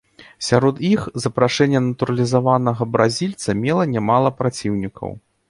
Сярод іх, запрашэнне натуралізаванага бразільца мела нямала праціўнікаў.